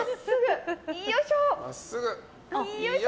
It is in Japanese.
よいしょ！